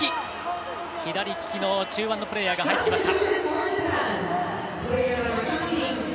左利きの中盤のプレーヤーが入ってきました。